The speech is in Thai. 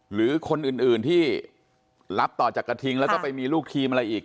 หรือคนอื่นที่รับต่อจากกระทิงแล้วก็ไปมีลูกทีมอะไรอีก